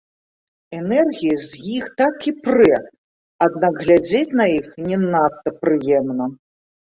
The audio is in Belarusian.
Энергія з іх так і прэ, аднак глядзець на іх не надта прыемна.